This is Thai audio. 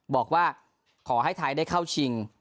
บอกว่าขอให้ไทยได้เข้าชิง